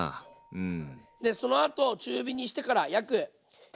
うん。